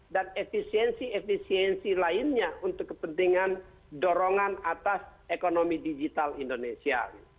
dan efisiensi efisiensi lainnya untuk kepentingan dorongan atas ekonomi digital indonesia